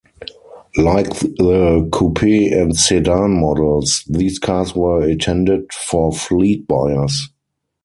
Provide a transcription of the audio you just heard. Like the coupe and sedan models, these cars were intended for fleet buyers.